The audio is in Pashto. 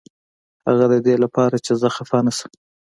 هغه ددې لپاره چې زه خفه نشم.